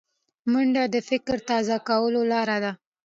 منډه د فکر تازه کولو لاره ده